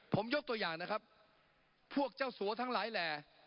ผมยกตัวอย่างนะครับพวกเจ้าสัวทั้งหลายแหล่